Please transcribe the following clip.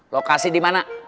lokasi di mana